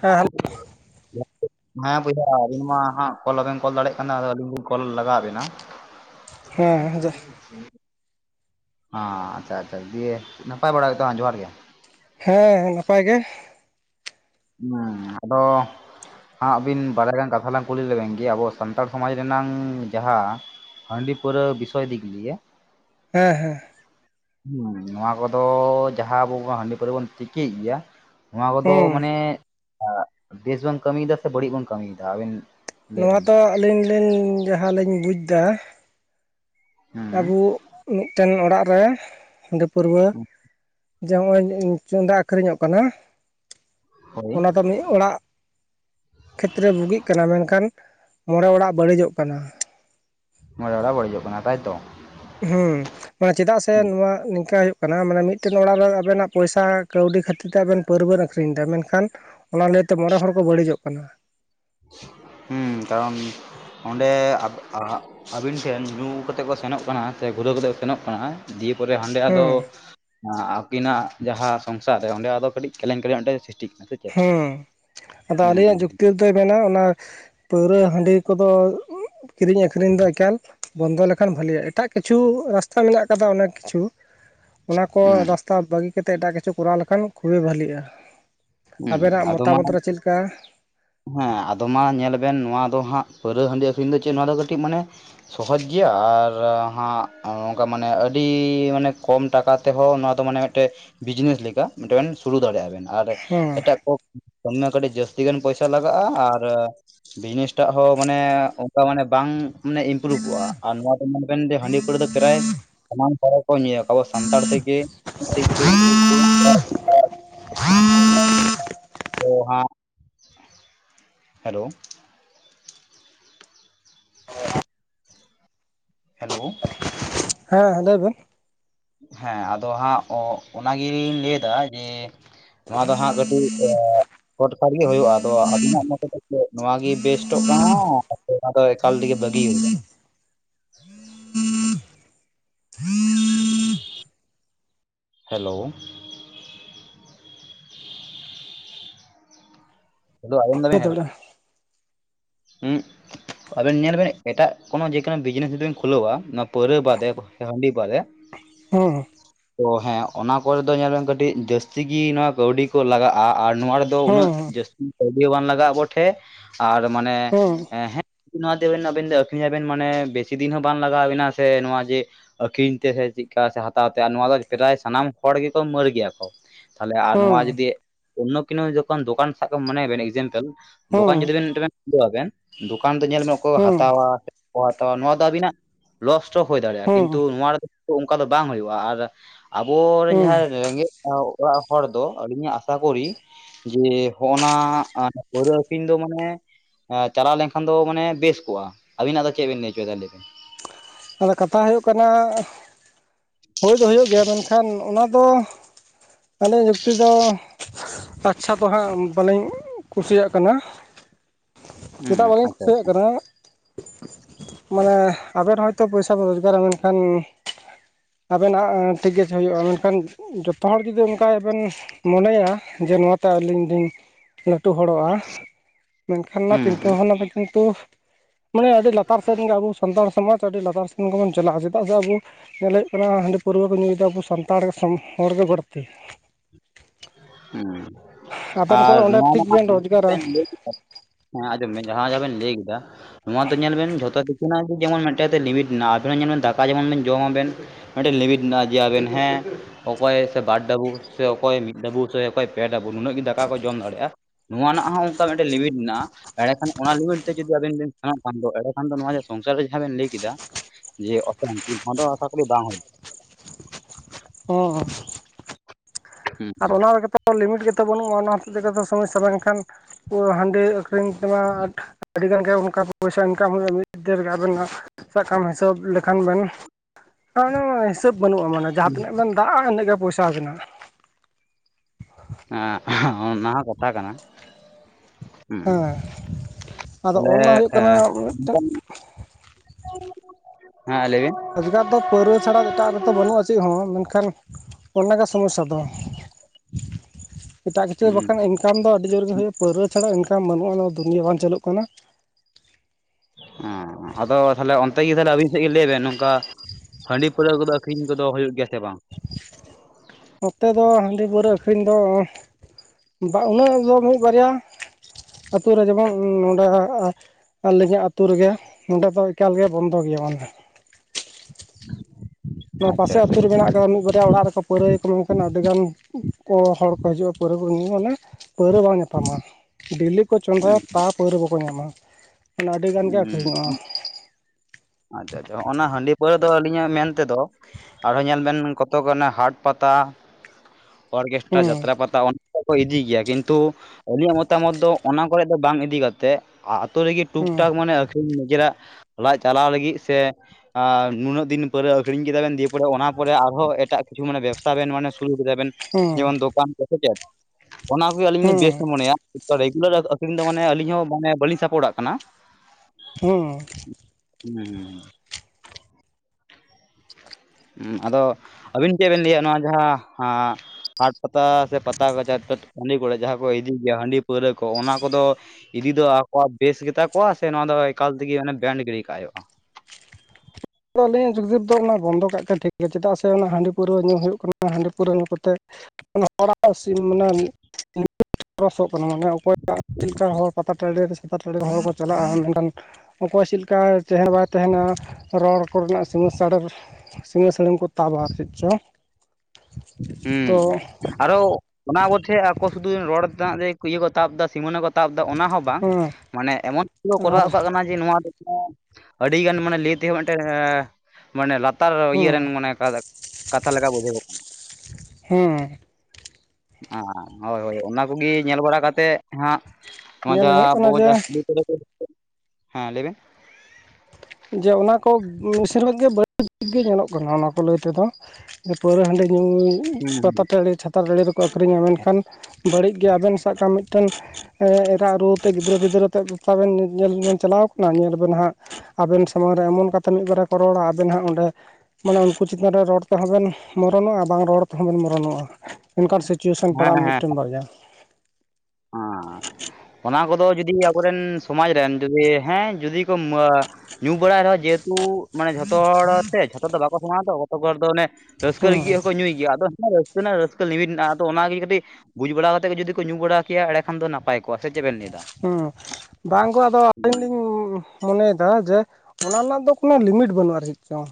ᱦᱮᱸ ᱦᱮᱸ ᱵᱚᱭᱦᱟ ᱟᱹᱵᱤᱱ ᱢᱟ ᱦᱟᱸᱜ ᱠᱚᱞᱵᱮᱱ ᱠᱚᱞ ᱫᱟᱲᱮᱭᱟᱜ ᱠᱟᱱᱟ ᱟᱹᱞᱤᱧ ᱠᱚ ᱠᱚᱞ ᱞᱟᱜᱟᱣ ᱞᱮᱱᱟ ᱾ ᱦᱳᱭ ᱜᱚᱝᱠᱮ ᱦᱮᱞᱳ ᱦᱮᱸ ᱟᱪᱪᱷᱟ ᱾ ᱦᱟᱸ ᱟᱪᱪᱷᱟ ᱟᱪᱪᱷᱟ ᱫᱤᱭᱮ ᱱᱟᱯᱟᱭ ᱵᱟᱲᱟ ᱜᱮᱛᱚ? ᱡᱚᱦᱟᱨ ᱜᱮ ᱾ ᱦᱮᱸ ᱱᱟᱯᱟᱭ ᱜᱮ ᱾ ᱦᱮᱸ ᱟᱫᱚ ᱦᱟᱸ ᱟᱹᱵᱤᱱ ᱵᱟᱨᱟᱭ ᱜᱟᱱ ᱠᱟᱛᱷᱟ ᱞᱟᱝ ᱠᱩᱞᱤ ᱞᱮᱵᱮᱱ ᱜᱮ ᱟᱵᱚ ᱥᱟᱱᱛᱟᱲ ᱥᱚᱢᱟᱡᱽ ᱨᱮᱱᱟᱝ ᱡᱟᱦᱟᱸ ᱦᱟᱸᱰᱤ ᱯᱩᱨᱟᱹᱣᱟ ᱵᱤᱥᱚᱭ ᱫᱤᱜ ᱫᱤᱭᱮ ᱾ ᱦᱮᱸ ᱦᱮᱸ ᱦᱮᱸ ᱱᱚᱣᱟ ᱠᱚᱫᱚ ᱡᱟᱦᱟᱸ ᱟᱵᱚ ᱦᱟᱺᱰᱤ ᱯᱟᱹᱣᱨᱟᱹ ᱵᱚᱱ ᱛᱤᱠᱤᱭ ᱜᱮᱭᱟ ᱾ ᱱᱚᱣᱟ ᱠᱚᱫᱚ ᱦᱩᱸ ᱢᱟᱱᱮ ᱵᱮᱥᱵᱚᱱ ᱠᱟᱹᱢᱤᱭᱮᱫᱟ ᱥᱮ ᱵᱟᱹᱲᱤᱡ ᱵᱚᱱ ᱠᱟᱹᱢᱤᱭᱮᱫᱟ ᱟᱵᱮᱱ ᱞᱟᱹᱭ ᱱᱚᱣᱟ ᱵᱮᱱ ᱫᱚ ᱟᱹᱞᱤᱧ ᱞᱤᱧ ᱡᱟᱦᱟᱸ ᱞᱤᱧ ᱵᱩᱡᱽ ᱫᱟ ᱦᱩᱸ ᱟᱵᱚ ᱢᱤᱫᱴᱮᱱ ᱚᱲᱟᱜ ᱨᱮ ᱦᱟᱺᱰᱤ ᱯᱟᱹᱨᱣᱟᱹ ᱡᱮ ᱱᱚᱜ-ᱚᱭ ᱪᱚᱸᱫᱟ ᱟᱠᱷᱨᱤᱧᱚᱜ ᱠᱟᱱᱟ ᱾ ᱦᱳᱭ ᱚᱱᱟ ᱫᱚ ᱢᱤᱫ ᱚᱲᱟᱜ ᱠᱷᱮᱛᱨᱮ ᱵᱩᱜᱤᱜ ᱠᱟᱱᱟ ᱾ ᱢᱮᱱᱠᱷᱟᱱ ᱢᱚᱬᱮ ᱚᱲᱟᱜ ᱵᱟᱹᱲᱤᱡᱚᱜ ᱠᱟᱱᱟ ᱾ ᱢᱚᱬᱮ ᱚᱲᱟᱜ ᱵᱟᱹᱲᱤᱡᱚᱜ ᱠᱟᱱᱟ ᱛᱟᱭᱛᱚ ᱾ ᱦᱮᱸ ᱢᱟᱱᱮ ᱪᱮᱫᱟᱜ ᱥᱮ ᱱᱚᱣᱟ ᱱᱤᱝᱠᱟ ᱪᱮᱫᱟᱜ ᱥᱮ ᱱᱚᱣᱟ ᱱᱤᱠᱟᱹᱦᱩᱭᱩᱜ ᱠᱟᱱᱟ ᱾ ᱢᱟᱱᱮ ᱢᱤᱫᱴᱮᱱ ᱚᱲᱟᱜ ᱨᱮ ᱟᱵᱮᱱᱟᱜ ᱯᱚᱭᱥᱟ ᱠᱟᱹᱣᱰᱤ ᱠᱷᱟᱹᱛᱤᱨ ᱛᱮ ᱟᱵᱮᱱ ᱯᱟᱹᱨᱣᱟᱹ ᱵᱚᱱ ᱟᱠᱷᱨᱤᱧ ᱫᱟ ᱾ ᱢᱮᱱᱠᱷᱟᱱ ᱚᱱᱟ ᱞᱟᱹᱭᱛᱮ ᱢᱚᱬᱮ ᱦᱚᱲ ᱠᱚ ᱵᱟᱹᱲᱤᱡᱚᱜ ᱠᱟᱱᱟ ᱾ ᱦᱩᱸ ᱠᱟᱨᱚᱱ ᱚᱸᱰᱮ ᱟᱹᱵᱤᱱ ᱴᱷᱮᱱ ᱧᱩ ᱠᱟᱛᱮᱫ ᱠᱚ ᱥᱮᱱᱚᱜ ᱠᱟᱱᱟ ᱥᱮ ᱜᱷᱩᱨᱟᱹᱣ ᱠᱟᱛᱮᱫ ᱠᱚ ᱥᱮᱱᱚᱜ ᱠᱟᱱᱟ ᱾ ᱫᱤᱭᱮ ᱯᱚᱨᱮ ᱦᱟᱸᱰᱮ ᱟᱫᱚ ᱦᱩᱸ ᱟᱹᱠᱤᱱᱟᱜ ᱡᱟᱸᱦᱟ ᱥᱚᱝᱥᱟᱨ ᱨᱮ, ᱚᱸᱰᱮ ᱟᱫ ᱠᱟᱹᱴᱤᱡ ᱠᱮᱞᱮᱝᱠᱟᱨᱤ ᱥᱨᱤᱥᱴᱤᱜ ᱠᱟᱱᱟ ᱾ ᱦᱮᱸ ᱟᱫᱚ, ᱟᱞᱤᱧᱟᱜ ᱡᱩᱠᱛᱤ ᱫᱚᱭ ᱢᱮᱱᱟ, ᱚᱱᱟ ᱯᱟᱹᱣᱨᱟᱹ ᱦᱟᱺᱰᱤ ᱠᱚᱫᱚ, ᱠᱤᱨᱤᱧ ᱟᱠᱠᱷᱨᱤᱧ ᱫᱚ ᱮᱠᱟᱞ ᱵᱚᱱᱫᱚ ᱞᱮᱠᱷᱟᱱ ᱵᱷᱟᱞᱤᱜ-ᱟ ᱾ ᱮᱴᱟᱜ ᱠᱤᱪᱷᱩ ᱨᱟᱥᱛᱟ ᱢᱮᱱᱟᱜ ᱟᱠᱟᱫᱟ ᱾ ᱚᱱᱮᱠ ᱠᱤᱪᱷᱩ ᱚᱱᱟᱠᱚ ᱦᱩᱸ ᱨᱟᱥᱛᱟ ᱛᱟ ᱵᱟᱹᱜᱤ ᱠᱟᱛᱮ, ᱮᱴᱟᱜ ᱠᱤᱪᱷᱩ ᱠᱚᱨᱟᱣ ᱞᱮᱠᱷᱟᱱ ᱠᱷᱩᱵᱮ ᱵᱷᱟᱞᱤᱜᱼᱟ ᱾ ᱦᱩᱸ ᱟᱵᱮᱱᱟᱜ ᱟᱫᱚ ᱢᱟ ᱢᱚᱛᱟᱢᱚᱛ ᱨᱮ ᱪᱮᱫ ᱞᱮᱠᱟ? ᱦᱮᱸ ᱟᱫᱚ ᱢᱟ ᱧᱮᱞ ᱵᱮᱱ, ᱱᱚᱣᱟ ᱫᱚ ᱦᱟᱸᱜ ᱯᱟᱹᱣᱨᱟᱹ ᱦᱟᱺᱰᱤ ᱟᱹᱠᱷᱨᱤᱧ ᱫᱚ ᱪᱮᱫ ᱱᱚᱣᱟ ᱫᱚ ᱠᱟᱹᱴᱤᱡ ᱢᱟᱱᱮ ᱥᱚᱦᱚᱡᱽ ᱜᱮᱭᱟ, ᱟᱨ ᱦᱟᱸᱜ ᱱᱚᱝᱠᱟ ᱢᱟᱱᱮ, ᱟᱹᱰᱤ ᱢᱟᱱᱮ ᱠᱚᱢ ᱴᱟᱠᱟ ᱛᱮ ᱦᱚ, ᱱᱚᱣᱟ ᱫᱚ ᱢᱟᱱᱮ ᱢᱤᱫᱴᱮ ᱵᱤᱡᱱᱮᱥ ᱞᱮᱠᱟ, ᱢᱤᱫᱴᱮᱱ ᱵᱮᱱ ᱥᱩᱨᱩ ᱫᱟᱲᱮᱭᱟᱜᱼᱟ ᱵᱮᱱ ᱾ ᱟᱨ ᱦᱮᱸ ᱮᱴᱟᱜ ᱠᱚ, ᱠᱟᱹᱴᱤᱡ ᱡᱟᱹᱥᱛᱤ ᱜᱟᱱ ᱯᱚᱭᱥᱟ ᱞᱟᱜᱟᱜᱼᱟ ᱾ ᱟᱨ ᱵᱤᱡᱽᱱᱮᱥᱴᱟᱜ ᱦᱚᱸ ᱢᱟᱱᱮ ᱚᱱᱠᱟ, ᱢᱟᱱᱮ ᱵᱟᱝ ᱢᱟᱱᱮ, ᱤᱢᱯᱨᱩᱵᱚᱜᱼᱟ ᱾ ᱟᱨ ᱱᱚᱣᱟ ᱫᱚ ᱢᱚᱱᱮᱵᱮᱱ ᱡᱮ ᱦᱟᱺᱰᱤ ᱫᱚ, ᱯᱨᱟᱭ ᱥᱟᱱᱟᱢ ᱦᱚᱲ ᱠᱚ ᱧᱩᱭᱟᱹ, ᱟᱵᱚ ᱥᱟᱱᱛᱟᱲ ᱛᱷᱮᱠᱮ ᱛᱚ ᱦᱟᱸ ᱦᱮᱞᱳ ᱦᱮᱞᱳ ᱦᱮᱸ ᱞᱟᱹᱭᱵᱮᱱ ᱦᱮᱸ ᱟᱫᱚ ᱦᱟᱸᱜ ᱚᱱᱟᱜᱤᱧ ᱞᱟᱹᱭ ᱫᱟ ᱡᱮ, ᱱᱚᱣᱟ ᱫᱚ ᱦᱟᱸᱜ ᱠᱟᱹᱴᱤᱡ ᱥᱚᱴᱠᱷᱟᱴ ᱜᱮ ᱦᱩᱭᱩᱜᱼᱟ ᱾ ᱟᱫᱚ ᱟᱵᱤᱱᱟᱜ ᱢᱚᱛ ᱱᱚᱣᱟ ᱜᱮ ᱵᱮᱥᱴᱚᱜ ᱠᱟᱱᱟ? ᱚᱱᱟ ᱫᱚ ᱮᱠᱟᱞ ᱛᱮᱜᱮ ᱵᱟᱹᱜᱤ ᱦᱩᱭᱜ-ᱟ ᱾ ᱦᱮᱞᱳ ᱦᱞᱳ ᱟᱧᱡᱚᱢ ᱞᱟᱹᱭ ᱫᱟᱵᱤᱱ ᱦᱮᱞᱳ ᱫᱟᱲᱮᱭᱟᱜᱼᱟ ᱢᱤᱫᱮᱸ [unintelligible] ᱟᱵᱮᱱ ᱧᱮᱞ ᱵᱮᱱ ᱮᱴᱟᱜ ᱠᱳᱱᱚ ᱡᱮᱠᱚᱱᱳ ᱟᱵᱮᱱ ᱧᱮᱞ ᱵᱮᱱ ᱮᱴᱟᱜ ᱠᱳᱱᱳ ᱡᱮ ᱠᱳᱱᱳ‌ ᱵᱤᱡᱽᱱᱮᱥ ᱡᱩᱫᱤ ᱵᱮᱱ ᱠᱷᱩᱞᱟᱹᱣᱟ ᱾ ᱱᱚᱣᱟ ᱯᱟᱹᱣᱨᱟᱹ ᱵᱟᱫᱮ ᱦᱟᱺᱰᱤ ᱵᱟᱸᱫᱮ ᱦᱮᱸ ᱛᱚ ᱦᱮᱸ ᱚᱱᱟ ᱠᱚᱨᱮ ᱫᱚ ᱧᱮᱞ ᱵᱮᱱ ᱠᱟᱹᱴᱤᱡ ᱡᱟᱹᱥᱛᱤ ᱜᱮ ᱱᱚᱣᱟ ᱠᱟᱹᱣᱰᱤ ᱠᱚ ᱞᱟᱜᱟᱜᱼᱟ ᱟᱨ ᱱᱚᱣᱟ ᱨᱮᱫᱚ ᱫᱚ ᱦᱮᱸ ᱩᱱᱟᱹᱜ ᱡᱟᱹᱥᱛᱤ ᱠᱟᱹᱣᱰᱤ ᱦᱚ ᱵᱟᱝ ᱞᱟᱜᱟᱜᱼᱟ ᱟᱵᱚ ᱴᱷᱮᱡ ᱾ ᱟᱨ ᱢᱟᱱᱮ ᱦᱮᱸ ᱦᱮᱸ ᱱᱚᱣᱟ ᱛᱮᱵᱮᱱ ᱟᱵᱤᱱ ᱫᱚ ᱟᱹᱠᱷᱨᱤᱧᱟᱵᱮᱱ, ᱢᱟᱱᱮ ᱵᱮᱥᱤ ᱫᱤᱱ ᱦᱚᱸ ᱵᱟᱝ ᱞᱟᱜᱟᱣᱵᱮᱱᱟ ᱥᱮ ᱱᱚᱣᱟ ᱡᱮ ᱟᱠᱷᱨᱤᱧ ᱛᱮ ᱥᱮ ᱪᱮᱫᱠᱟ, ᱥᱮ ᱦᱟᱛᱟᱣ ᱛᱮ ᱱᱚᱣᱟ ᱫᱚ ᱱᱟᱯᱟᱭ ᱥᱟᱱᱟᱢ ᱦᱚᱲ ᱜᱮᱠᱚ ᱢᱟᱹᱨ ᱜᱮᱭᱟ ᱠᱚ ᱛᱟᱦᱚᱞᱮ ᱟᱨ ᱱᱚᱣᱟ ᱦᱮᱸ ᱡᱩᱫᱤ ᱚᱱᱱᱚ ᱠᱳᱱᱳ ᱡᱚᱠᱟᱱ ᱫᱚᱠᱟᱱ ᱥᱟᱵᱠᱟᱜ ᱢᱚᱱᱮ ᱵᱮᱱ ᱮᱠᱡᱟᱢᱯᱮᱞ ᱫᱚᱠᱟᱱ ᱡᱩᱫᱤ ᱵᱮᱱ ᱢᱤᱫᱴᱮᱱ ᱵᱮᱱ ᱠᱷᱩᱞᱟᱹᱣ ᱟᱵᱮᱱ ᱾ ᱫᱚᱠᱟᱱ ᱫᱚ ᱧᱮᱞ ᱵᱮ ᱚᱠᱚᱭ ᱦᱮᱸ ᱠᱚ ᱦᱮᱸ ᱦᱟᱛᱟᱣᱟ ᱚ ᱛᱚ ᱱᱚᱣᱟ ᱫᱚ ᱟᱹᱵᱤᱱᱟᱜ ᱞᱚᱥᱴ ᱦᱚᱸ ᱦᱩᱭ ᱫᱟᱲᱮᱭᱟᱜᱼᱟ ᱾ ᱠᱤᱱᱛᱩ ᱱᱚᱣᱟ ᱨᱮᱫᱚ ᱚᱱᱠᱟ ᱫᱚ ᱵᱟᱝ ᱦᱩᱭᱩᱜᱼᱟ ᱾ ᱟᱨ ᱦᱮᱸ ᱟᱵᱚᱨᱮᱱ ᱦᱮᱸ ᱡᱟᱸᱦᱟ ᱨᱮᱸᱜᱮᱡ ᱚᱲᱟᱜ ᱦᱚᱲ ᱫᱚ ᱟᱹᱞᱤᱧᱟᱜ ᱟᱥᱟᱠᱚᱨᱤ ᱡᱮ ᱦᱚᱜᱼ ᱱᱟ, ᱯᱟᱹᱣᱟᱹ ᱟᱠᱷᱨᱤᱧ ᱫᱚ ᱢᱟᱱᱮ ᱪᱟᱞᱟᱣ ᱞᱮᱱᱠᱷᱟᱱ ᱫᱚ ᱢᱟᱱᱮ ᱵᱮᱥ ᱠᱚᱜᱼᱟ ᱾ ᱟᱵᱤᱱᱟᱜ ᱫᱚ ᱪᱮᱫ ᱵᱤᱱ ᱞᱟᱹᱭᱪᱚᱭᱮᱫᱟ ᱞᱟᱹᱭᱵᱮᱱ? ᱟᱫᱚ ᱠᱟᱛᱷᱟ ᱦᱩᱭᱩᱜ ᱠᱟᱱᱟ ᱾ ᱦᱩᱭ ᱫᱚ ᱦᱩᱭᱩᱜ ᱜᱮᱭᱟ ᱢᱮᱱᱠᱷᱟᱱ ᱚᱱᱟ ᱫᱚ, ᱟᱹᱞᱤᱧᱟᱜ ᱡᱩᱠᱛᱤ ᱫᱚ ᱟᱪᱪᱷᱟ ᱫᱚ ᱦᱟᱸᱜ ᱵᱟᱞᱤᱧ ᱠᱩᱥᱤᱭᱟᱜ ᱠᱟᱱᱟ ᱾ ᱦᱩᱸ ᱪᱮᱫᱟᱜ ᱵᱟᱞᱤᱧ ᱟᱪᱪᱷᱟ ᱠᱩᱥᱤᱭᱟᱜ ᱟᱪᱪᱷᱟ ᱠᱟᱱᱟ ᱾ ᱢᱟᱱᱮ ᱟᱵᱮᱱ ᱦᱚᱭᱛᱳ ᱯᱚᱭᱥᱟ ᱵᱤᱱ ᱨᱳᱡᱽᱜᱟᱨᱟ ᱢᱮᱱᱠᱷᱟᱱ, ᱟᱵᱮᱱᱟᱜ ᱴᱷᱤᱠ ᱜᱮ ᱦᱩᱭᱩᱜᱼᱟ ᱾ ᱢᱮᱱᱠᱷᱟᱱ ᱡᱚᱛᱚ ᱦᱚᱲ ᱡᱩᱫᱤ ᱚᱱᱠᱟ ᱵᱮᱱ ᱢᱚᱱᱮᱭᱟ ᱡᱮ ᱱᱚᱣᱟ ᱛᱮ ᱟᱹᱞᱤᱧ ᱞᱤᱧ ᱞᱟᱹᱴᱩ ᱦᱚᱲᱚᱜᱼᱟ ᱢᱮᱱᱠᱷᱟᱱ ᱚᱱᱟ ᱦᱩᱸ ᱪᱤᱱᱛᱟᱹ ᱦᱩᱸ ᱵᱷᱟᱵᱽᱱᱟ ᱫᱚ ᱠᱤᱱᱛᱩ ᱢᱟᱱᱮ ᱟᱹᱰᱤ ᱞᱟᱛᱟᱨ ᱥᱮᱫ ᱜᱮ ᱟᱵᱚ ᱥᱟᱱᱛᱟᱲ ᱥᱚᱢᱟᱡᱽ ᱟᱹᱰᱤ ᱞᱟᱛᱟᱨ ᱥᱮᱱ ᱜᱮᱵᱚᱱ ᱪᱟᱞᱟᱜᱼᱟ ᱪᱮᱫᱟᱜ ᱥᱮ ᱟᱵᱚ ᱧᱮᱞ ᱦᱩᱭᱩᱜ ᱠᱟᱱᱟ ᱦᱟᱺᱰᱤ ᱯᱟᱹᱨᱣᱟᱹ ᱠᱚ ᱧᱩᱭᱮᱫᱟ ᱟᱵᱚ ᱥᱟᱱᱛᱟᱲ ᱦᱚᱲᱜᱮ ᱵᱟᱹᱲᱛᱤ ᱦᱩᱸ ᱟᱵᱮᱱ ᱟᱨ ᱠᱷᱚᱱ ᱚᱸᱰᱮ ᱴᱷᱤᱠ ᱱᱚᱣᱟ ᱵᱮᱱ [unintelligible] ᱨᱳᱡᱽᱜᱟᱨᱟ ᱦᱮᱸ ᱟᱸᱡᱚᱢ ᱵᱮᱱ ᱡᱟᱦᱟᱸ ᱡᱟᱦᱟᱸ ᱵᱮᱱ ᱞᱟᱹᱭ ᱠᱮᱫᱟ ᱱᱚᱣᱟ ᱫᱚ ᱧᱮᱞ ᱵᱮᱱ ᱡᱷᱚᱛᱚ ᱠᱤᱪᱷᱩᱱᱟᱜ ᱜᱮ ᱡᱮᱢᱚᱱ ᱢᱤᱫᱴᱮᱡ ᱠᱟᱛᱮ ᱞᱤᱢᱤᱴ ᱢᱮᱱᱟᱜᱼᱟ ᱟᱵᱮᱱ ᱧᱮᱞ ᱵᱮᱱ ᱫᱟᱠᱟ ᱡᱮᱢᱚᱱ ᱵᱮᱱ ᱡᱚᱢᱟᱵᱮᱱ ᱢᱤᱫᱴᱮᱱ ᱞᱤᱢᱤᱴ ᱢᱮᱱᱟᱜᱼᱟ ᱡᱮ ᱟᱵᱮᱱ ᱦᱮᱸ ᱚᱠᱚᱭ ᱥᱮ ᱵᱟᱨ ᱰᱟᱵᱩ ᱥᱮ ᱚᱠᱚᱭ ᱢᱤᱫ ᱰᱟᱵᱩ ᱥᱮ ᱚᱠᱚᱭ ᱯᱮ ᱰᱟᱵᱩ ᱱᱩᱱᱟᱹᱜ ᱜᱮ ᱫᱟᱠᱟ ᱠᱚ ᱡᱚᱢ ᱫᱟᱲᱮᱭᱟᱜᱼᱟ ᱱᱚᱣᱟ ᱨᱮᱱᱟᱜ ᱦᱚᱸ ᱚᱱᱠᱟ ᱢᱤᱫᱴᱮᱱ ᱞᱤᱢᱤᱴ ᱢᱮᱱᱟᱜᱼᱟ ᱮᱸᱲᱮᱠᱷᱟᱱ ᱚᱱᱟ ᱞᱤᱢᱤᱴ ᱛᱮ ᱡᱩᱫᱤ ᱟᱵᱤᱱ ᱵᱮᱱ ᱥᱮᱱᱚᱜ ᱠᱷᱟᱱ ᱾ ᱫᱚ ᱮᱸᱲᱮᱠᱷᱟᱱ ᱫᱚ ᱱᱚᱣᱟ ᱥᱚᱝᱥᱟᱨ ᱨᱮ ᱡᱟᱸᱦᱟ ᱵᱮᱱ ᱞᱟᱹᱭ ᱠᱮᱫᱟ ᱾ ᱡᱮ ᱚᱥᱟᱱᱛᱤ ᱱᱚᱭᱟ ᱫᱚ ᱟᱥᱟ ᱠᱚᱨᱤ ᱵᱟᱝ ᱚ ᱦᱩᱸ ᱟᱨ ᱦᱩᱸ ᱚᱱᱟᱛᱚ ᱞᱤᱢᱤᱴ ᱜᱮᱛᱚ ᱵᱟᱹᱱᱩᱜᱼᱟ ᱚᱱᱟ ᱦᱚᱛᱮᱡ ᱛᱮ ᱥᱚᱢᱚᱥᱥᱟ ᱵᱟᱝᱠᱷᱟᱱ ᱦᱟᱺᱰᱤ ᱟᱹᱷᱨᱤᱧ ᱛᱮᱢᱟ ᱟᱴ ᱟᱹᱰᱤᱜᱟᱱ ᱜᱮ ᱚᱱᱠᱟ ᱯᱚᱭᱥᱟ ᱤᱱᱠᱟᱢ ᱦᱩᱭᱩᱜᱼᱟ ᱢᱤᱫ ᱫᱤᱱ ᱨᱮᱜᱮ ᱟᱵᱮᱱᱟᱜ ᱥᱟᱠᱟᱢ ᱦᱤᱥᱟᱹᱵ ᱞᱮᱠᱷᱟᱱ ᱵᱮᱱ ᱦᱮ ᱦᱤᱥᱟᱹᱵ ᱵᱟᱹᱱᱩᱜᱼᱟ ᱢᱟᱱᱮ ᱡᱟᱦᱟᱸ ᱛᱤᱱᱟᱹᱜ ᱵᱮᱱ ᱫᱟᱜᱼᱟ ᱤᱱᱟᱹᱜ ᱜᱮ ᱯᱚᱭᱥᱟ ᱟᱵᱮᱱᱟᱜ ᱦ [inaudible] ᱦᱮᱸ ᱚᱱᱟ ᱦᱚᱸ ᱠᱟᱛᱷᱟ ᱠᱟᱱᱟ ᱦᱮᱸ ᱟᱫᱚ ᱛᱟᱦᱟᱞᱮ ᱚᱱᱟ ᱦᱩᱭᱩᱜ ᱠᱟᱱᱟ ᱢᱤᱫᱴᱮᱱ ᱦᱮᱸ ᱞᱟᱹᱭ ᱵᱤᱱ ᱨᱚᱡᱽᱜᱟᱨ ᱫᱚ ᱯᱟᱹᱣᱨᱟᱹ ᱪᱷᱟᱲᱟ ᱫᱚ ᱮᱴᱟᱜ ᱨᱮᱛᱚ ᱵᱟᱹᱱᱩᱜᱼᱟ ᱪᱮᱫ ᱦᱚᱸ ᱢᱮᱱᱠᱷᱟᱱ ᱚᱱᱟᱜᱮ ᱥᱚᱢᱚᱥᱥᱟ ᱫᱚ [unintelligible] ᱮᱴᱟᱜ ᱠᱤᱪᱷᱩ ᱵᱟᱠᱷᱟᱱ ᱤᱱᱠᱟᱢ ᱫᱚ ᱟᱹᱰᱤ ᱡᱳᱨ ᱜᱮ ᱦᱩᱭᱩᱜᱼᱟ ᱯᱟᱹᱣᱨᱟᱹ ᱪᱷᱟᱲᱟ ᱤᱱᱠᱟᱢ ᱵᱟᱹᱱᱩᱜᱼᱟ ᱱᱚᱣᱟ ᱫᱩᱱᱭᱟᱹ ᱵᱟᱝ ᱪᱟᱹᱞᱩᱜ ᱠᱟᱱᱟ ᱚ ᱟᱫᱚ ᱛᱟᱦᱮᱞᱮ ᱚᱱᱛᱮ ᱜᱮ ᱛᱟᱦᱮᱞᱮ ᱟᱵᱤᱱ ᱥᱮᱫ ᱜᱮ ᱞᱟᱹᱭ ᱵᱮᱱ ᱱᱚᱝᱠᱟ ᱦᱟᱺᱰᱤ ᱯᱟᱹᱣᱨᱟᱹ ᱠᱚᱫᱚ ᱟᱹᱠᱷᱨᱤᱧ ᱠᱚᱫᱚ ᱦᱩᱭᱩᱜ ᱜᱮᱭᱟ ᱥᱮ ᱵᱟᱝ ᱱᱚᱛᱮ ᱫᱚ ᱦᱟᱺᱰᱤ ᱯᱟᱹᱣᱨᱟᱹ ᱟᱹᱠᱷᱨᱤᱧ ᱫᱚ ᱩᱱᱟᱹᱜ ᱫᱚ ᱢᱤᱫ ᱵᱟᱨᱭᱟ ᱟᱛᱳ ᱨᱮ ᱡᱮᱢᱚᱱ ᱱᱚᱸᱰᱮ ᱟᱹᱞᱤᱧ ᱟᱜ ᱟᱹᱛᱳ ᱨᱮᱜᱮ ᱱᱚᱸᱰᱮ ᱫᱚ ᱮᱠᱟᱞ ᱜᱮ ᱵᱚᱱᱫᱚ ᱜᱮᱭᱟ ᱵᱟᱝ [unintelligible] ᱟᱪᱪᱷᱟ ᱯᱟᱥᱮ ᱟᱪᱪᱷᱟ ᱟᱹᱛᱳ ᱟᱪᱪᱷᱟ ᱨᱮ ᱟᱪᱪᱷᱟ ᱢᱮᱱᱟᱜ ᱢᱤᱫ ᱵᱟᱨᱭᱟ ᱚᱲᱟᱜ ᱨᱮᱠᱚ ᱯᱟᱹᱣᱨᱟᱹ ᱭᱟᱠᱚ ᱢᱮᱱᱠᱷᱟᱱ ᱟᱹᱰᱤᱜᱟᱱ ᱠᱚ ᱦᱚᱲ ᱠᱚ ᱦᱤᱡᱩᱜᱼᱟ ᱯᱟᱹᱣᱨᱟᱹ ᱠᱚ ᱧᱩ ᱢᱟᱱᱮ ᱯᱟᱹᱣᱨᱟᱹ ᱵᱟᱝ ᱧᱟᱯᱟᱢᱟ ᱰᱮᱞᱤ ᱠᱚ ᱪᱚᱸᱫᱟᱭᱟ ᱛᱟ ᱯᱟᱹᱣᱨᱟᱹ ᱵᱟᱠᱚ ᱧᱟᱢᱟ ᱢᱟᱱᱮ ᱟᱹᱰᱤ ᱜᱟᱱ ᱜᱮ ᱦᱩᱸ ᱟᱹᱷᱨᱤᱧᱚᱜᱼᱟ ᱟᱪᱪᱷᱟ ᱟᱪᱪᱷᱟ ᱚᱱᱟ ᱦᱟᱺᱰᱤ ᱯᱟᱹᱣᱨᱟᱹ ᱫᱚ ᱟᱹᱞᱤᱧᱟᱜ ᱢᱮᱱ ᱛᱮᱫᱚ ᱟᱨᱦᱚᱸ ᱧᱮᱞ ᱵᱮᱱ ᱠᱚᱛᱚᱜᱟᱱᱟ ᱦᱟᱴ ᱯᱟᱛᱟ ᱚᱨᱜᱮᱥᱴᱨᱟ ᱦᱩᱸ ᱡᱟᱛᱨᱟ ᱯᱟᱛᱟ ᱠᱚ ᱤᱫᱤ ᱜᱮᱭᱟ ᱠᱤᱱᱛᱩ ᱟᱞᱤᱧ ᱟᱜ ᱢᱚᱛᱟᱢᱚᱛ ᱫᱚ ᱚᱱᱟ ᱠᱚᱨᱮ ᱫᱚ ᱵᱟᱝ ᱤᱫᱤ ᱠᱟᱛᱮᱫ ᱟᱛᱳ ᱨᱮᱜᱮ ᱴᱩᱠ ᱦᱩᱸ ᱴᱟᱠ ᱢᱟᱱᱮ ᱟᱹᱷᱨᱤᱧ ᱱᱤᱡᱮᱨᱟᱜ ᱞᱟᱡ ᱪᱟᱞᱟᱣ ᱞᱟᱹᱜᱤᱫ ᱥᱮ ᱱᱩᱱᱟᱹᱜ ᱫᱤᱱ ᱯᱟᱹᱶᱨᱟᱹ ᱟᱹᱷᱨᱤᱧ ᱠᱮᱫᱟ ᱵᱮᱱ ᱫᱤᱭᱮ ᱯᱚᱨᱮ ᱚᱱᱟ ᱯᱚᱨᱮ ᱟᱨᱦᱚᱸ ᱮᱴᱟᱜ ᱠᱤᱪᱷᱩ ᱢᱟᱱᱮ ᱵᱮᱵᱥᱟ ᱵᱮ ᱢᱟᱱᱮ ᱥᱩᱨᱩ ᱠᱮᱫᱟ ᱵᱮᱱ ᱦᱩᱸ ᱡᱮᱢᱚᱱ ᱫᱚᱠᱟᱱ ᱠᱚ ᱥᱮ ᱪᱮᱫ ᱚᱱᱟ ᱠᱚᱜᱮ ᱟᱹᱞᱤᱧ ᱞᱤᱧ ᱵᱮᱥ ᱦᱩᱸ ᱢᱚᱱᱮᱭᱟ ᱨᱮᱜᱩᱞᱟᱨ ᱟᱹᱠᱷᱨᱤᱧ ᱫᱚ ᱢᱟᱱᱮ ᱟᱹᱞᱤᱧ ᱦᱚᱸ ᱢᱟᱱᱮ ᱵᱟᱹᱞᱤᱧ ᱥᱟᱯᱚᱴᱟᱜ ᱠᱟᱱᱟ ᱦᱩᱸ ᱦᱩᱸ ᱦᱩ ᱦᱩᱸ ᱦᱚ ᱟᱫᱚ ᱟᱹᱵᱤᱱ ᱪᱮᱫ ᱵᱤᱱ ᱞᱟᱹᱭᱟ ᱱᱚᱣᱟ ᱡᱟᱦᱟᱸ ᱟ ᱦᱟᱴ ᱯᱟᱛᱟ ᱥᱮ ᱯᱟᱛᱟ ᱠᱟᱪᱷᱟ ᱦᱟᱺᱰᱤ ᱠᱚ ᱡᱟᱦᱟᱸ ᱠᱚ ᱤᱫᱤ ᱜᱮᱭᱟ ᱦᱟᱺᱰᱤ ᱯᱟᱹᱣᱨᱟᱹ ᱠᱚ ᱚᱱᱟ ᱠᱚᱫᱚ ᱤᱫᱤ ᱫᱚ ᱟᱠᱚᱣᱟᱜ ᱵᱮᱥ ᱜᱮᱛᱟ ᱠᱚᱣᱟ ᱥᱮ ᱱᱚᱣᱟ ᱫᱚ ᱮᱠᱟᱞ ᱛᱮᱜᱮ ᱵᱮᱱᱰ ᱜᱤᱲᱤ ᱠᱟᱜ ᱦᱩᱭᱩᱜᱼᱟ ᱟᱹᱞᱤᱧᱟᱜ ᱡᱩᱜᱽ ᱡᱩᱜᱤ ᱫᱚ ᱚᱱᱟ ᱵᱚᱱᱫᱚ ᱠᱟᱜ ᱠᱟᱱ ᱴᱷᱤᱠ ᱜᱮᱭᱟ ᱪᱮᱫᱟᱜ ᱥᱮ ᱚᱱᱟ ᱦᱟᱺᱰᱤ ᱯᱟᱹᱨᱣᱟᱹ ᱧᱩ ᱦᱩᱭᱩᱜ ᱠᱟᱱᱟ ᱦᱟᱺᱰᱤ ᱯᱟᱹᱨᱣᱟᱹ ᱧᱩ ᱠᱟᱛᱮᱫ ᱦᱚᱲᱟᱜᱤᱱ [inaudible] ᱠᱷᱚᱥᱚᱜ ᱠᱟᱱᱟ ᱢᱟᱱᱮ ᱚᱠᱚᱭᱟᱜ ᱪᱮᱫ ᱞᱮᱠᱟ ᱦᱚᱲ ᱯᱟᱛᱟ ᱴᱟᱲᱮ ᱥᱮᱛᱟ ᱴᱟᱺᱰᱤ ᱦᱚᱲ ᱠᱚ ᱪᱟᱞᱟᱜᱼᱟ ᱢᱮᱱᱠᱷᱟᱱ ᱚᱠᱚᱭ ᱪᱮᱫ ᱞᱮᱠᱟ ᱛᱟᱦᱮᱱ ᱵᱟᱭ ᱛᱟᱦᱮᱱᱟ ᱨᱚᱲ ᱠᱚᱨᱮᱱᱟᱜ ᱥᱤᱢᱟᱹ ᱥᱟᱹᱲᱮᱨ ᱥᱤᱢᱟᱹ ᱥᱟᱹᱲᱤᱢ ᱠᱚ ᱛᱟᱵᱟ ᱪᱮᱫ ᱪᱚᱝ ᱦᱩᱸ ᱟᱨᱦᱚ ᱚᱱᱟ ᱟᱵᱳ ᱴᱷᱮᱱ ᱟᱠᱚ ᱥᱩᱫᱩ ᱨᱚᱲᱫᱟ ᱤᱭᱟᱹ ᱠᱚ ᱛᱟᱵ ᱮᱫᱟ ᱥᱤᱢᱟᱹᱱᱟ ᱠᱚ ᱛᱟᱵ ᱮᱫᱟ ᱚᱱᱟ ᱦᱚᱸ ᱵᱟᱝ ᱦᱮᱸ ᱢᱟᱱᱮ ᱮᱢᱚᱱᱠᱤᱪᱷᱩ ᱠᱚ ᱟᱨ ᱠᱚᱨᱟᱣ ᱠᱟᱜ ᱠᱟᱱᱟ ᱡᱮ ᱱᱚᱣᱟ ᱫᱚ ᱟᱹᱰᱤ ᱜᱟᱱ ᱢᱟᱱᱮ ᱞᱟᱹᱭ ᱛᱮ ᱢᱤᱫᱴᱮᱱ ᱟ ᱢᱟᱱᱮ ᱞᱟᱛᱟᱨ ᱤᱭᱟᱹᱟᱹ ᱦᱮᱸ ᱨᱮᱱ ᱢᱟᱱᱮ ᱠᱟᱛᱷᱟ ᱞᱮᱠᱟ ᱵᱩᱡᱩᱜᱚᱜ ᱠᱟᱱᱟ ᱦᱮᱸ ᱦᱮᱸ, ᱦᱳᱭ ᱦᱳᱭ ᱚᱱᱟ ᱠᱚᱜᱮ ᱧᱮᱞ ᱵᱟᱲᱟ ᱠᱟᱛᱮ ᱦᱟᱸᱜ ᱱᱚᱣᱟ ᱧᱮᱞ ᱫᱚ ᱦᱩᱭᱩᱜ ᱟᱵᱚ ᱠᱟᱱᱟ ᱡᱮ ᱡᱟᱦᱟᱸ [unintelligible] ᱦᱮᱸ ᱞᱟᱹᱭᱵᱮᱱ ᱡᱮ ᱚᱱᱟᱠᱚ ᱤᱥᱤᱱ ᱜᱮ ᱵᱟᱹᱲ ᱫᱤᱠ ᱜᱮ ᱧᱮᱞᱚᱜ ᱠᱟᱱᱟ ᱚᱱᱟ ᱠᱚ ᱞᱟᱹᱭ ᱛᱮᱫᱚ ᱡᱮ, ᱯᱟᱹᱣᱨᱟᱹ ᱦᱟᱺᱰᱤ ᱧᱩ ᱦᱮᱸ ᱯᱟᱛᱟ ᱴᱟᱺᱰᱤ ᱪᱷᱟᱛ ᱞᱟᱛᱟᱨ ᱰᱟᱲᱮ ᱨᱮᱠᱚ ᱟᱹᱷᱨᱤᱧᱟ ᱢᱮᱱᱠᱷᱟᱱ ᱵᱟᱹᱲᱤᱡ ᱜᱮ ᱟᱵᱮᱱ ᱥᱟᱵ ᱠᱟᱢ ᱢᱤᱫᱴᱮᱱ ᱮᱸ, ᱮᱴᱟᱜ ᱨᱩᱣᱟᱹ ᱛᱮ ᱜᱤᱫᱽᱨᱟᱹᱼ ᱯᱤᱫᱽᱨᱟᱹ ᱟᱛᱮᱫ ᱜᱟᱚᱴᱟ ᱵᱮᱱ ᱧᱮᱞ ᱧᱮᱞ ᱪᱟᱞᱟᱣ ᱠᱟᱱᱟ ᱧᱮᱞ ᱵᱮᱱ ᱦᱟᱸᱜ ᱟᱵᱮᱱ ᱥᱟᱢᱟᱝ ᱨᱮ ᱮᱢᱚᱱ ᱠᱟᱛᱷᱟ ᱢᱤᱫ ᱵᱟᱨᱮ ᱠᱚ ᱨᱚᱲᱟ ᱟᱵᱮᱱ ᱦᱟᱸᱜ ᱚᱸᱰᱮ ᱢᱟᱱᱮ ᱩᱱᱠᱩ ᱪᱮᱛᱟᱱ ᱨᱮ ᱨᱚᱲ ᱛᱮᱦᱚᱸ ᱵᱮᱱ ᱢᱚᱨᱚᱱᱚᱜᱼᱟ ᱵᱟᱝ ᱨᱚᱲ ᱛᱮᱦᱚᱸ ᱵᱮᱱ ᱢᱚᱨᱚᱱᱚᱜᱼᱟ ᱚᱱᱠᱟᱱ ᱥᱤᱪᱩᱭᱮᱥᱚᱱ ᱯᱟᱲᱟᱜ-ᱟ ᱦᱮᱸ ᱦᱮᱸ ᱢᱤᱫᱴᱮᱱ ᱵᱟᱨᱭᱟ ᱚᱱᱟ ᱠᱚᱫᱚ ᱡᱩᱫᱤ ᱟᱵᱚᱨᱮᱱ ᱥᱚᱢᱟᱡᱽ ᱨᱮᱱ ᱡᱩᱫᱤ ᱦᱮᱸ ᱡᱩᱫᱤ ᱮᱸᱻ ᱧᱩ ᱵᱟᱲᱟᱭ ᱨᱮᱦᱚᱸ ᱡᱮᱦᱮᱛᱩ ᱢᱟᱱᱮ ᱡᱷᱚᱛᱚ ᱦᱚᱲᱛᱮ ᱡᱷᱚᱛᱚ ᱫᱚ ᱵᱟᱠᱚ ᱥᱚᱢᱟᱱ-ᱟ ᱛᱚ ᱠᱚᱛᱚᱠ ᱦᱚᱲ ᱫᱚ ᱚᱱᱮ ᱨᱟᱹᱥᱠᱟᱹ ᱦᱮᱸ ᱞᱟᱹᱜᱤᱫ ᱦᱚᱸᱠᱚ ᱧᱩᱭ ᱜᱮᱭᱟ ᱟᱫᱚ ᱚᱱᱟ ᱨᱟᱹᱥ ᱨᱮᱱᱟᱜ ᱨᱟᱹᱥᱠᱟᱹ ᱞᱤᱢᱤᱴ ᱢᱮᱱᱟᱜᱼᱟ ᱟᱫᱚ ᱚᱱᱟᱜᱮ ᱠᱟᱹᱴᱤᱡ ᱵᱩᱡᱽ ᱵᱟᱲᱟ ᱠᱟᱛᱮ ᱜᱮ ᱡᱩᱚᱫᱤ ᱠᱚ ᱧᱩ ᱵᱟᱲᱟ ᱠᱮᱭᱟ ᱮᱲᱮ ᱠᱷᱟᱱ ᱫᱚ ᱱᱟᱯᱟᱭ ᱠᱚᱜ-ᱟ ᱥᱮ ᱪᱮᱫ ᱵᱮᱱ ᱞᱟᱹᱭᱫᱟ ᱦᱩᱸ ᱵᱟᱝ ᱜᱚ ᱟᱫᱚ ᱟᱹᱞᱤᱧ ᱞᱤᱧ ᱢᱚᱱᱮᱭᱮᱫᱟ ᱡᱮ ᱚᱱᱟ ᱨᱮᱱᱟᱜ ᱫᱚ ᱠᱳᱱᱳ ᱞᱤᱢᱤᱴ ᱵᱟᱹᱱᱩᱜᱼᱟ ᱪᱮᱫ ᱪᱚᱝ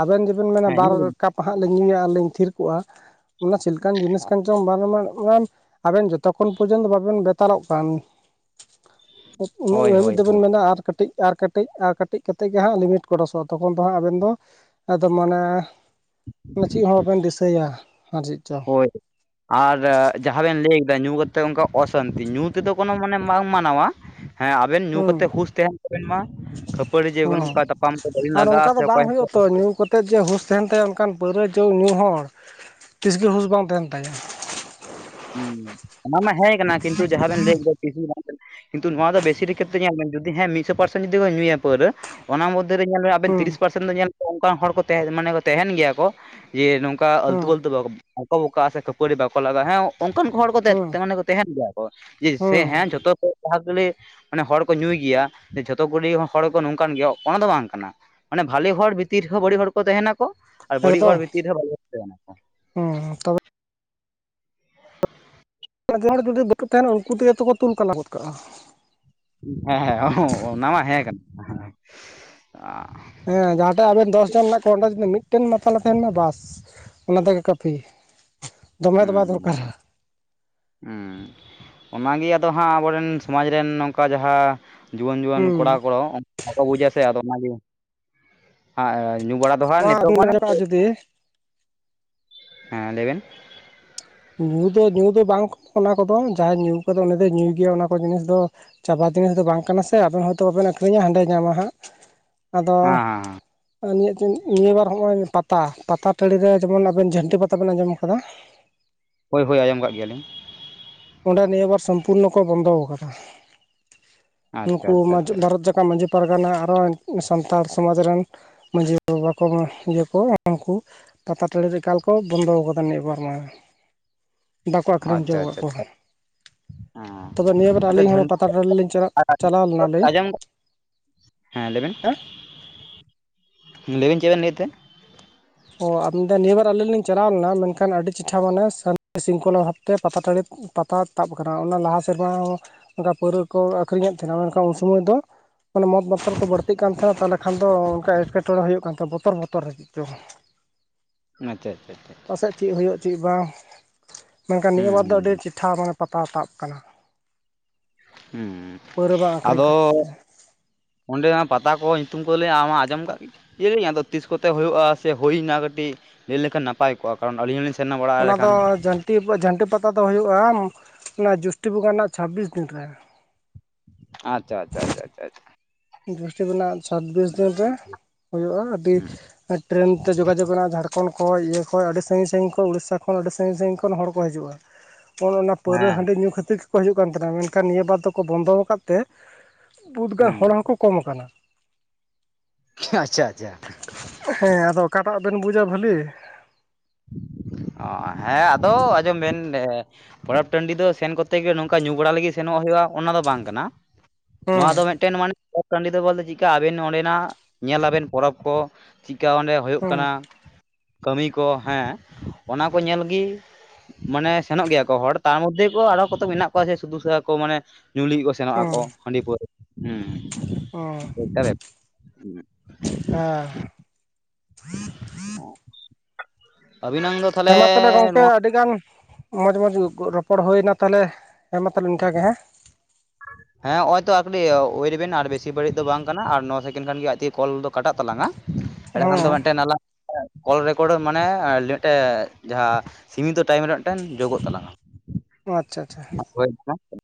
ᱟᱵᱮᱱ ᱡᱮᱵᱮᱱ ᱢᱮᱱᱟ ᱦᱮᱸ ᱵᱟᱨ ᱧᱩ ᱠᱟᱯ ᱱᱟᱦᱟᱜ ᱞᱤᱧ ᱧᱩᱭᱟ ᱟᱨᱞᱤᱧ ᱛᱷᱤᱨ ᱠᱚᱜᱼᱟ ᱚᱱᱟ ᱪᱮᱫ ᱞᱮᱠᱟᱱ ᱡᱤᱱᱤᱥ ᱠᱟᱱ ᱪᱚᱝ [unintelligible] ᱟᱵᱮᱱ ᱡᱚᱛᱚᱠᱷᱚᱱ ᱯᱚᱨᱡᱚᱱᱛᱚ ᱵᱟᱵᱮᱱ ᱵᱮᱛᱟᱲᱚᱜ ᱠᱟᱱ ᱩᱱᱟᱹᱜ ᱦᱳᱭ ᱦᱟᱹᱵᱤᱡ ᱦᱳᱭ ᱦᱳᱭ ᱫᱚᱵᱮᱱ ᱢᱮᱱᱟ ᱟᱨ ᱠᱟᱹᱴᱤᱡ ᱟᱨ ᱠᱟᱹᱴ ᱠᱟᱹᱴᱤᱡ ᱟᱨ ᱠᱟᱹᱴᱤᱡ ᱠᱟᱛᱮᱫ ᱜᱮ ᱦᱟᱸᱜ ᱞᱤᱢᱤᱴ ᱠᱚ ᱠᱚᱨᱚᱥᱚᱜᱼᱟ ᱛᱚᱠᱷᱚᱱ ᱫᱚ ᱦᱟᱸᱜ ᱟᱵᱮᱱ ᱫᱚ ᱮᱠᱫᱚᱢ ᱢᱟᱱᱮ ᱢᱟᱱᱮ ᱪᱮᱫ ᱦᱚᱸᱵᱟᱵᱮᱱ ᱫᱤᱥᱟᱹᱭᱟ ᱟᱨ ᱪᱮᱫ ᱪᱚᱝ ᱦᱳᱭ ᱟᱨ ᱡᱟᱦᱟᱸ ᱵᱮᱱ ᱞᱟᱹᱭ ᱠᱮᱫᱟ ᱧᱩ ᱠᱟᱛᱮᱫ ᱚᱱᱠᱟ ᱚᱥᱟᱱᱛᱤ ᱧᱩ ᱛᱮᱫᱚ ᱠᱳᱱᱳ ᱢᱟᱱᱮ ᱵᱟᱝ ᱢᱟᱱᱟᱣᱟ ᱦᱮᱸ ᱟᱵᱮᱱ ᱧᱩ ᱦᱩᱸ ᱠᱟᱛᱮ ᱦᱩᱸᱥ ᱛᱟᱦᱮᱱ ᱛᱟᱵᱮᱱ ᱢᱟ ᱠᱷᱟᱹᱯᱟᱹᱨᱤ ᱡᱮ ᱦᱩᱸ ᱱᱚᱠᱟ ᱛᱟᱯᱟᱢ ᱠᱚᱵᱮᱱ ᱟᱨ ᱚᱱᱠᱟ ᱞᱟᱜᱟᱜᱼᱟ ᱫᱚ ᱵᱟᱝ ᱚᱠᱚᱭ ᱦᱚᱸᱥᱮ ᱦᱩᱭᱩᱜᱼᱟ ᱛᱚ ᱧᱩ ᱠᱟᱛᱮᱫ ᱡᱮ ᱦᱩᱸᱥ ᱛᱟᱦᱮᱱ ᱛᱟᱭᱟ ᱚᱝᱠᱟᱱ ᱯᱟᱹᱣᱨᱟᱹ ᱡᱮ ᱧᱩ ᱦᱚᱲ ᱛᱤᱥᱜᱮ ᱦᱩᱸᱥ ᱵᱟᱝ ᱛᱟᱦᱮᱱ ᱛᱟᱭᱟ ᱦᱩᱸ ᱚᱱᱟ ᱢᱟ ᱦᱮᱸ ᱠᱟᱱᱟ ᱠᱤᱱᱛᱩ ᱡᱟᱦᱟᱸ ᱵᱮᱱ ᱞᱟᱹᱭ ᱛᱤᱥ ᱜᱮ ᱵᱟᱝ ᱠᱟᱱᱟ ᱠᱤᱱᱛᱩ ᱱᱚᱣᱟ ᱫᱚ ᱵᱮᱥᱤᱨ ᱠᱷᱮᱛᱨᱮ ᱧᱮᱞ ᱢᱮ ᱢᱤᱫᱥᱚ ᱯᱟᱨᱥᱮᱱ ᱠᱚ ᱧᱩᱭᱟ ᱯᱟᱹᱨᱣᱟᱹ ᱚᱱᱟ ᱢᱚᱫᱽᱫᱷᱮ ᱨᱮ ᱧᱮᱞ ᱟᱵᱮᱱ ᱦᱩᱸ ᱛᱤᱨᱤᱥ ᱯᱟᱨᱥᱮᱱ ᱫᱚ ᱧᱮᱞ ᱚᱱᱠᱟᱱ ᱦᱚᱲ ᱠᱚ ᱛᱮᱦᱮᱸ ᱢᱟᱱᱮ ᱠᱚ ᱛᱮᱦᱮᱱ ᱜᱮᱭᱟ ᱠᱚ ᱡᱮ ᱱᱚᱝᱠᱟ ᱟᱹᱞᱛᱩ ᱦᱩᱸ ᱵᱟᱹᱞᱛᱩ ᱵᱟᱠᱚ ᱵᱚᱠᱟᱜᱼᱟ ᱥᱮ ᱠᱷᱟᱹᱯᱟᱹᱨᱤ ᱵᱟᱠᱚ ᱞᱟᱜᱟᱜᱼᱟ ᱦᱮᱸ ᱚᱝᱠᱟᱱ ᱠᱚ ᱦᱚᱲ ᱠᱚ ᱛᱮ ᱦᱩᱸ ᱛᱮᱦᱮᱱᱟ ᱠᱚ ᱛᱟᱦᱮᱱ ᱜᱮᱭᱟ ᱠᱚ ᱡᱮ ᱥᱮ ᱦᱩᱸ ᱦᱮᱸ ᱡᱚᱛᱚ ᱠᱚ ᱡᱟᱦᱟᱸ [unintelligible] ᱢᱟᱱᱮ ᱦᱚᱲ ᱠᱚ ᱧᱩᱭ ᱜᱮᱭᱟ ᱡᱷᱚᱛᱚ ᱠᱩᱞᱤ ᱦᱚᱲ ᱠᱚ ᱱᱚᱝᱠᱟᱱ ᱜᱮᱭᱟ ᱚᱱᱟ ᱫᱚ ᱵᱟᱝ ᱠᱟᱱᱟ ᱢᱟᱱᱮ ᱵᱷᱟᱞᱮ ᱦᱚᱲ ᱵᱷᱤᱛᱤᱨ ᱨᱮ ᱦᱚᱸ ᱵᱟᱹᱲᱤᱡ ᱦᱚᱲ ᱠᱚ ᱛᱟᱦᱮᱱᱟᱠᱚ ᱟᱨ ᱵᱟᱹᱲᱤᱡ ᱮᱠᱫᱚᱢ ᱦᱚᱲ ᱵᱷᱤᱛᱤᱨ ᱨᱮ ᱦᱚᱸ ᱵᱷᱟᱞᱤ ᱦᱚᱲ ᱛᱟᱦᱮᱸᱱᱟᱠᱚ ᱦᱩᱸ ᱛᱚᱵᱮ ᱡᱚᱢ ᱦᱚᱲ ᱨᱮ ᱡᱩᱫᱤ ᱵᱟᱠᱚ ᱛᱟᱦᱮᱱᱟ ᱩᱱᱠᱩ ᱛᱮᱜᱮ ᱛᱚᱠᱚ ᱛᱩᱞ ᱠᱟᱞᱟ ᱜᱚᱫ ᱠᱟᱜᱼᱟ ᱦᱮᱸ ᱦᱮᱸ ᱚᱱᱟ ᱦᱮᱸ ᱠᱟᱱᱟ, ᱚ ᱦᱮᱸ ᱡᱟᱦᱟᱸᱴᱮᱜ ᱟᱵᱮᱱ ᱫᱚᱥ ᱡᱚᱱ ᱦᱮᱱᱟᱜ ᱠᱚᱣᱟ ᱚᱸᱰᱮ ᱡᱩᱫᱤ ᱢᱤᱫᱴᱮᱱ ᱢᱟᱛᱟᱞᱮ ᱛᱟᱦᱮᱱ ᱢᱟ ᱵᱟᱥ ᱚᱱᱟ ᱛᱮᱜᱮ ᱠᱟᱹᱯᱷᱤ ᱫᱚᱢᱮ ᱫᱚ ᱦᱩᱸ ᱵᱟᱭ ᱦᱩᱸ ᱦᱩᱸ, ᱫᱚᱨᱠᱟᱨᱟ ᱦᱩᱸ ᱚᱱᱟᱜᱮ ᱟᱫᱚ ᱦᱟᱸᱜ ᱟᱵᱚᱨᱮᱱ ᱥᱚᱢᱟᱡᱽ ᱨᱮᱱ ᱱᱚᱝᱠᱟ ᱡᱟᱦᱟᱸ ᱡᱩᱣᱟᱹᱱ ᱡᱩᱣᱟᱹᱱ ᱦᱩᱸ ᱠᱚᱲᱟ ᱠᱚ ᱵᱟᱠᱚ ᱵᱩᱡᱟ ᱥᱮ ᱟᱫᱚ ᱚᱱᱟᱜᱮ ᱦᱮᱸ ᱧᱩ ᱵᱟᱲᱟ ᱫᱚ ᱦᱟᱸᱜ ᱱᱚᱣᱟ ᱱᱤᱛᱚᱜ ᱟᱹᱵᱤᱱ ᱢᱟᱱᱮ ᱧᱮᱞᱚᱜᱼᱟ ᱡᱩᱫᱤ ᱦᱮᱸ ᱞᱟᱹᱭ ᱵᱮᱱ ᱧᱩ ᱫᱚ ᱧᱩ ᱫᱚ ᱵᱟᱝ ᱚᱱᱟ ᱠᱚᱫᱚ ᱡᱟᱦᱟᱸᱭ ᱧᱩ ᱠᱟᱫᱟ ᱩᱱᱤ ᱫᱚᱭ ᱧᱩᱭ ᱜᱮᱭᱟ ᱚᱱᱟ ᱠᱚ ᱡᱤᱱᱤᱥ ᱫᱚ ᱪᱟᱵᱟ ᱡᱤᱱᱤᱥ ᱫᱚ ᱵᱟᱝ ᱠᱟᱱᱟ ᱥᱮ ᱟᱵᱮᱱ ᱦᱳᱭᱛᱚ ᱵᱟᱵᱮᱱ ᱟᱹᱠᱷᱨᱤᱧᱟ ᱦᱟᱸᱰᱮᱭ ᱧᱟᱢᱟ ᱦᱟᱸᱜ ᱟᱫᱚ ᱦᱮᱸ ᱦᱮᱸ ᱦᱮᱸ ᱤᱧ ᱢᱮᱱᱮᱫ ᱛᱟᱦᱮᱸ ᱱᱤᱭᱟᱹ ᱵᱟᱨ ᱦᱚᱸᱜᱼᱚᱭ ᱯᱟᱛ ᱛᱟ ᱯᱟᱛᱟ ᱴᱟᱬᱤ ᱨᱮ ᱡᱮᱢᱚᱱ ᱟᱵᱮᱱ ᱡᱷᱟᱹᱱᱴᱤ ᱯᱟᱛᱟ ᱵᱮᱱ ᱟᱸᱡᱚᱢ ᱠᱟᱫᱟ ᱦᱳᱭ ᱦᱳᱭ ᱟᱡᱚᱢ ᱠᱟᱜ ᱜᱮᱭᱟᱞᱮ᱾ ᱚᱸᱰᱮ ᱱᱤᱭᱟᱹ ᱵᱟᱨ ᱥᱚᱢᱯᱩᱨᱱᱚ ᱠᱚ ᱵᱚᱱᱫᱚ ᱟᱠᱟᱫᱟ᱾ ᱟᱪᱪᱷᱟ ᱱᱩᱠᱩ ᱟᱪᱪᱷᱟ ᱢᱟ ᱟᱪᱪᱷᱟ ᱵᱷᱟᱨᱚᱛ ᱡᱟᱠᱟᱛ ᱢᱟᱺᱡᱷᱤ ᱯᱟᱨᱜᱟᱱᱟ ᱟᱨ ᱦᱚ ᱥᱟᱱᱛᱟᱞ ᱥᱚᱢᱟᱡᱽ ᱨᱮᱱ ᱢᱟᱡᱷᱤ ᱵᱟᱵᱟ ᱠᱚ ᱢᱟ ᱤᱭᱟᱹ ᱠᱚ ᱩᱱᱠᱩ, ᱯᱟᱛᱟ ᱴᱟᱺᱬᱤ ᱨᱮ ᱮᱠᱟᱞ ᱠᱚ ᱵᱚᱱᱫᱚ ᱟᱠᱟᱫᱟ ᱱᱤᱭᱟ ᱵᱟᱨ ᱢᱟ ᱵᱟᱟᱠᱚ ᱟᱹᱠᱷᱨᱤᱧ ᱚᱪᱚ ᱟᱪᱪᱷᱟ ᱟᱠᱟᱫ ᱟᱪᱪᱷᱟ ᱠᱚᱣᱟ᱾ ᱦᱮᱸ ᱛᱚᱵᱮ ᱱᱤᱭᱟᱹᱵᱟᱨ ᱟᱹᱞᱤᱧ ᱦᱚᱸ ᱯᱟᱛᱟ ᱴᱟᱰᱤᱞᱤᱧ ᱪᱟᱞᱟᱜ ᱪᱟᱞᱟᱣ [unintelligible] ᱞᱮᱱᱟᱞᱤᱧ ᱟᱡᱚᱢ ᱦᱮᱸ ᱞᱟᱹᱭ ᱵᱮᱱ ᱞᱟᱹᱭ ᱵᱮᱱ ᱪᱮᱫ ᱵᱮᱱ ᱞᱟᱹᱭᱮᱛ ᱛᱮ ᱚ ᱟᱫᱟ ᱱᱤᱭᱟᱹᱵᱟᱨ ᱟᱞᱤᱧ ᱞᱤᱧ ᱪᱟᱞᱟᱣ ᱞᱮᱱᱟ ᱢᱮᱱᱠᱷᱟᱱ ᱟᱹᱰᱤ ᱪᱮᱴᱴᱷᱟ ᱢᱟᱱᱮ ᱥᱟᱱᱛᱤ ᱥᱤᱝᱠᱷᱚᱞᱟ ᱵᱷᱟᱵᱛᱮ ᱯᱟᱛᱟ ᱴᱟᱹᱲᱤ ᱯᱟᱛᱟ ᱛᱟᱵ ᱟᱠᱟᱱᱟ ᱚᱱᱟ ᱞᱟᱦᱟ ᱥᱮᱨᱢᱟ ᱦᱚᱸ ᱚᱱᱠᱟ ᱯᱟᱹᱨᱣᱟᱹ ᱠᱚ ᱟᱹᱠᱷᱨᱤᱧ ᱮᱫ ᱛᱟᱦᱮᱱᱟ ᱢᱮᱱᱠᱷᱟᱱ ᱩᱱ ᱥᱚᱢᱚᱭ ᱫᱚ ᱢᱟᱱᱮ ᱢᱚᱛ ᱢᱟᱛᱟᱞ ᱠᱚ ᱵᱟᱹᱲᱛᱤ ᱠᱟᱱ ᱛᱮ ᱛᱟᱦᱚᱞᱮ ᱠᱷᱟᱱ ᱫᱚ ᱚᱱᱠᱟ ᱮᱴᱠᱮ ᱴᱚᱬᱮ ᱦᱩᱭᱩᱜ ᱠᱟᱱ ᱛᱟᱦᱮᱸᱱᱟ ᱵᱚᱛᱚᱨ ᱵᱚᱛᱚᱨ [unintelligible] ᱪᱚᱝ ᱟᱪᱪᱷᱟ ᱟᱪᱷᱟ ᱟᱪᱷᱟ ᱯᱟᱥᱮᱡ ᱪᱮᱫ ᱦᱩᱭᱩᱜ ᱪᱮᱫ ᱵᱟᱝ ᱢᱮᱱᱠᱷᱟᱱ ᱦᱩᱸ ᱱᱤᱭᱟᱹ ᱵᱟᱨ ᱫᱚ ᱟᱹᱰᱤ ᱦᱩᱸ ᱪᱮᱴᱷᱟ ᱢᱟᱱᱮ ᱯᱟᱛᱟ ᱛᱟᱵ ᱟᱠᱟᱱᱟ᱾ ᱦᱮᱸ ᱯᱟᱹᱣᱨᱟᱹ ᱵᱟᱝ ᱟᱹᱠᱷᱨᱤᱧ ᱠᱷᱟᱹᱛᱤᱨ ᱟᱫᱚ ᱛᱮ ᱚᱸᱰᱮ ᱱᱟᱜ ᱯᱟᱛᱟ ᱠᱚ ᱧᱩᱛᱩᱢ ᱠᱚ ᱞᱟᱹᱭ ᱟᱢ ᱟᱸᱚᱢ ᱠᱟᱜ ᱠᱤ ᱤᱭᱟ ᱟᱫᱚ ᱛᱤᱥ ᱠᱚᱛᱮ ᱦᱩᱭᱩᱜᱼᱟ ᱥᱮ ᱦᱩᱭᱱᱟ ᱠᱟᱹᱴᱤᱡ ᱞᱟᱹᱭ ᱞᱮᱠᱷᱟᱱ ᱱᱟᱯ ᱱᱟᱯᱟᱭ ᱠᱚᱜᱼᱟ ᱠᱟᱨᱚᱱ ᱟᱹᱞᱤᱧ ᱦᱚᱞᱤᱧ ᱥᱮᱱ ᱱᱟ ᱵᱟᱲᱟᱭ ᱚᱱᱟ ᱫᱚ ᱞᱮᱠᱷᱟᱱ ᱡᱷᱟᱹᱱᱴᱤ ᱡᱷᱟᱹᱱᱴᱤ ᱯᱟᱛᱟ ᱫᱚ ᱦᱩᱭᱩᱜᱼᱟ ᱚᱱᱟ ᱡᱳᱥᱴᱤ ᱵᱚᱸᱜᱟ ᱨᱮᱱᱟᱜ ᱪᱷᱟᱵᱽᱵᱤᱥ ᱫᱤᱱ ᱨᱮ᱾ ᱟᱪᱪᱷᱟ ᱟᱪᱷᱟ ᱪᱷᱟ ᱪᱷᱟ ᱪᱷᱟ ᱡᱳᱥᱴᱤ ᱨᱮᱱᱟᱜ ᱪᱷᱟᱵᱽᱵᱤᱥ ᱫᱤᱱ ᱨᱮ ᱦᱩᱭᱩᱜᱼᱟ, ᱟᱹᱰᱤ ᱴᱨᱮᱹᱱ ᱛᱮ ᱡᱳᱜᱟ ᱡᱳᱜ ᱱᱟ ᱡᱷᱟᱲᱠᱷᱚᱸᱰ ᱠᱷᱚᱡ ᱤᱭᱟᱹ ᱠᱷᱚ ᱟᱹᱰᱤ ᱥᱟᱹᱜᱤᱧ ᱥᱟᱺᱜᱤᱧ ᱠᱷᱚᱱ ᱩᱲᱤᱥᱟ ᱠᱷᱚᱱ ᱟᱹᱰᱤ ᱥᱟᱺᱜᱤᱧ ᱥᱟᱺᱜᱤᱧ ᱠᱷᱚᱱ ᱦᱚᱲ ᱠᱚ ᱦᱤᱡᱩᱜᱼᱟ᱾ ᱚᱱ ᱚᱱᱟ ᱯᱟᱹᱣᱨᱟᱹ ᱦᱮᱸ ᱦᱟᱺᱰᱤ ᱧᱩ ᱠᱷᱟᱹᱛᱤᱨ ᱜᱮᱠᱚ ᱦᱤᱡᱩᱜ ᱠᱟᱱ ᱛᱟᱦᱮᱱᱟ ᱢᱮᱱᱠᱷᱟᱱ ᱱᱤᱭᱟᱹ ᱵᱟᱨ ᱫᱚᱠᱚ ᱵᱚᱱᱫᱚ ᱟᱠᱟᱫ ᱛᱮ ᱵᱩᱫ ᱜᱟ ᱦᱩᱸ ᱦᱚᱲ ᱦᱚᱸᱠᱚ ᱠᱚᱢ ᱠᱟᱱᱟ᱾ ᱟᱪᱪᱷᱟ ᱟᱪᱷᱟ ᱦᱮᱸ ᱟᱫᱚ ᱚᱠᱟ ᱴᱟᱜ ᱵᱮᱱ ᱵᱩᱡᱟ ᱵᱷᱟᱹᱞᱤ ᱚ ᱦᱮᱸ ᱟᱫᱚ ᱟᱸᱡᱚᱢ ᱵᱮᱱ ᱮ ᱯᱚᱨᱚᱵ ᱴᱟᱺᱰᱤ ᱫᱚ ᱥᱮᱱ ᱠᱚᱛᱮ ᱜᱮ ᱱᱚᱝᱠᱟ ᱧᱩ ᱵᱟᱲᱟ ᱞᱟᱹᱜᱤᱫ ᱥᱮᱱᱚᱜ ᱦᱩᱭᱩᱜᱼᱟ ᱚᱱᱟ ᱫᱚ ᱵᱟᱝ ᱠᱟᱱᱟ ᱦᱮᱸ ᱱᱚᱣᱟ ᱫᱚ ᱢᱮᱫ ᱢᱤᱫ ᱴᱮᱱ ᱢᱟᱱᱮ ᱯᱚᱨᱚᱵᱽ ᱴᱟᱺᱰᱤ ᱫᱚ ᱵᱚᱞᱛᱮ ᱪᱮᱫ ᱠᱟ ᱟᱵᱮᱱ ᱚᱸᱰᱮᱱᱟᱜ ᱧᱮᱞ ᱟᱵᱮᱱ ᱯᱚᱨᱚᱵᱽ ᱠᱚ ᱪᱮᱫ ᱠᱟ ᱚᱸᱰᱮ ᱦᱳᱭᱳᱜ ᱦᱮᱸ ᱠᱟᱱᱟ ᱠᱟᱹᱢᱤ ᱠᱚ ᱦᱮᱸ ᱚᱱᱟ ᱠᱚ ᱧᱮᱞ ᱜᱮ, ᱢᱟᱱᱮ ᱥᱮᱱᱚᱜ ᱜᱮᱭᱟ ᱠᱚ ᱦᱚᱲ ᱛᱟᱨ ᱢᱚᱫᱷᱮ ᱠᱚ ᱟᱨᱦᱚ ᱠᱚᱛᱚ ᱢᱮᱱᱟᱜ ᱠᱚᱣᱟ ᱥᱩᱫᱷᱩ ᱠᱚ ᱢᱟᱱᱮ ᱧᱩ ᱞᱤᱜᱤ ᱠᱚ ᱥᱮ ᱥᱮᱱᱚᱜ ᱦᱮᱸ ᱟᱠᱚ ᱦᱟᱺᱰᱤ ᱯᱟᱹᱣᱨᱟᱹ ᱦᱮᱸ ᱦᱮᱸ ᱚᱱᱠᱟ ᱵᱮᱯ ᱦᱮᱸ ᱚ ᱦᱮᱸ ᱢᱟ ᱛᱟᱦᱚᱞᱮ ᱜᱚᱝᱠᱮ ᱱᱚᱣᱟ ᱟᱹᱰᱤ ᱜᱟᱱ ᱢᱚᱡᱽ ᱢᱚᱡᱽ ᱨᱚᱯᱚᱲ ᱦᱩᱭᱮᱱᱟ ᱛᱟᱦᱚᱞᱮ, ᱦᱮᱸ ᱢᱟ ᱛᱟᱦᱚᱞᱮ ᱤᱱᱠᱟᱹ ᱜᱮ᱾ [inaudible] ᱦᱮᱸ ᱱᱚ ᱚᱭ ᱛᱚ ᱟᱨ ᱠᱟᱴᱤᱡ ᱩᱭᱮᱴ ᱵᱮᱱ ᱟᱨ ᱵᱮᱥᱤ ᱜᱷᱟᱹᱲᱤᱡ ᱫᱚ ᱵᱟᱝ ᱠᱟᱱᱟ ᱟᱨ ᱱᱚ ᱥᱮᱠᱮᱱᱰ ᱠᱷᱟᱱ ᱜᱮ ᱟᱡ ᱛᱮᱜᱮ ᱠᱚᱞ ᱫᱚ ᱠᱟᱴᱟᱜ ᱛᱟᱞᱟᱝᱼᱟ᱾ ᱮᱸᱰᱮ ᱠᱷᱟᱱ ᱫᱚ ᱢᱤᱫ ᱦᱮᱸ ᱴᱟᱝ ᱟᱞᱟᱝ ᱠᱚᱞ ᱨᱮᱠᱚᱨᱰ ᱢᱟᱱᱮ ᱢᱤᱫ ᱴᱮᱡ ᱡᱟᱦᱟᱸ ᱥᱤᱢᱤᱛᱚ ᱴᱟᱭᱤᱢ ᱨᱮ ᱢᱤᱫᱴᱮᱱ ᱡᱳᱜᱳᱜ ᱛᱟᱞᱟᱝ ᱟ᱾ ᱳ ᱟᱪᱪᱷᱟ ᱟᱪᱪᱷᱟ [unintelligible]